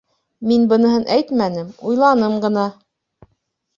Мин быныһын әйтмәнем, уйланым ғына.